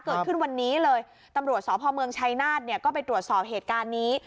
เกิดขึ้นวันนี้เลยตำรวจสพเมืองชัยนาธเนี่ยก็ไปตรวจสอบเหตุการณ์นี้